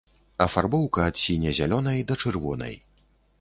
Афарбоўка ад сіне-зялёнай да чырвонай.